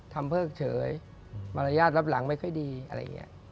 เพิกเฉยมารยาทรับหลังไม่ค่อยดีอะไรอย่างนี้